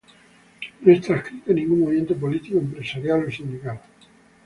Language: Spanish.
No está adscrita a ningún movimiento político, empresarial o sindical.